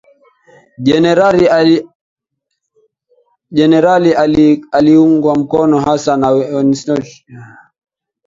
Jenerali aliungwa mkono hasa na Winston Churchill